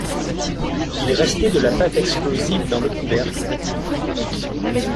Il restait de la pâte explosive dans le couvercle.